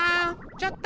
ちょっと！